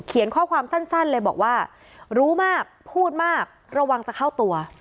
ข้อความสั้นเลยบอกว่ารู้มากพูดมากระวังจะเข้าตัว